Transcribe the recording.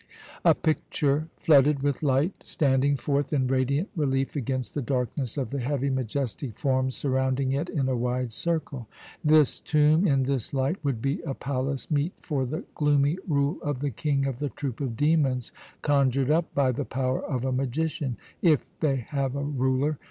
A picture flooded with light, standing forth in radiant relief against the darkness of the heavy, majestic forms surrounding it in a wide circle. This tomb in this light would be a palace meet for the gloomy rule of the king of the troop of demons conjured up by the power of a magician if they have a ruler.